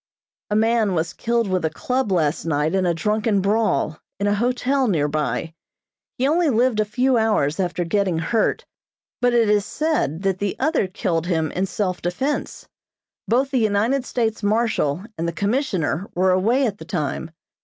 A man was killed with a club last night in a drunken brawl, in a hotel near by. He only lived a few hours after getting hurt, but it is said that the other killed him in self defense. Both the United States marshal and the commissioner were away at the time.